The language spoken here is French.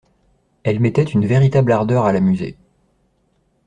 Elle mettait une véritable ardeur à l'amuser.